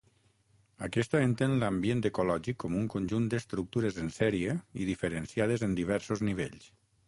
Aquesta entén l'ambient ecològic com un conjunt d'estructures en sèrie i diferenciades en diversos nivells.